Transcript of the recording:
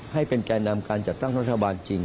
ให้เป็นแก่นำการจัดตั้งรัฐบาลจริง